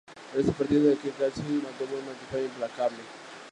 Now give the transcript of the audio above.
En este partido Damian McKenzie tuvo un desempeño implacable.